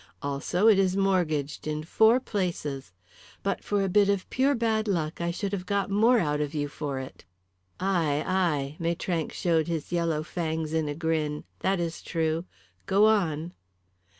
Also it is mortgaged in four places. But for a bit of pure bad luck I should have got more out of you for it." "Ay, ay," Maitrank showed his yellow fangs in a grin, "that is true. Go on."